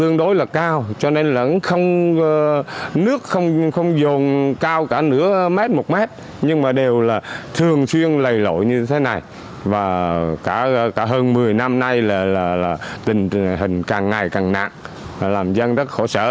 nhưng mà đều là thường xuyên lầy lội như thế này và cả hơn một mươi năm nay là tình hình càng ngày càng nặng làm dân rất khổ sở